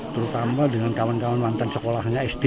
terutama dengan kawan kawan mantan sekolahnya sd